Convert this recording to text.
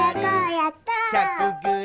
やった！